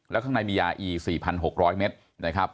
แล้วข้างในมียาอี๔๖๐๐เมตรนะครับ